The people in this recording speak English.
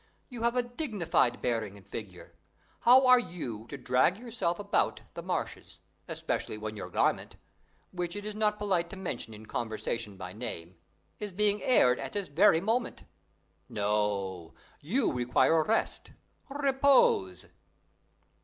You have a dignified bearing and figure; how are you to drag yourself about the marshes, especially when your garment, which it is not polite to mention in conversation by name, is being aired at this very moment? No; you require rest, repose."